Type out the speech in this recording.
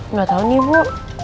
udah tau nih bu